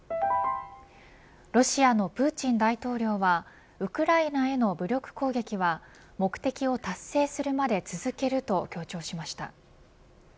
ロシアのプーチン大統領はウクライナへの武力攻撃は目的を達成するまで続けると強調しました。